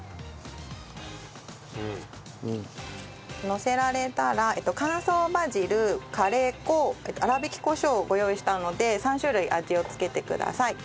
のせられたら乾燥バジルカレー粉粗挽きコショウをご用意したので３種類味を付けてください。